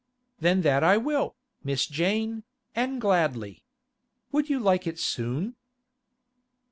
'Then that I will, Miss Jane, an' gladly. Would you like it soon?